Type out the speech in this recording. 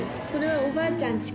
これはおばあちゃん